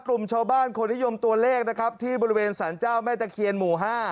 กลุ่มชาวบ้านคนนิยมตัวเลขนะครับที่บริเวณสารเจ้าแม่ตะเคียนหมู่๕